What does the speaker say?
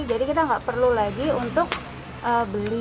jadi kita nggak perlu lagi untuk beli